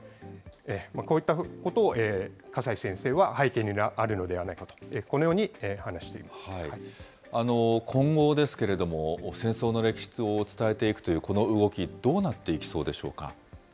こういったことを笠井先生は、背景にあるのではないかと、このよ今後ですけれども、戦争の歴史を伝えていくというこの動き、どうなっていきそうでしょうか。